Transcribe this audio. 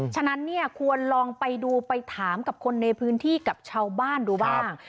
ฉะนั้นเนี่ยควรลองไปดูไปถามกับคนในพื้นที่กับชาวบ้านดูบ้าง